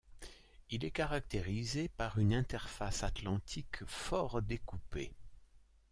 Il est caractérisé par une interface atlantique fort découpée.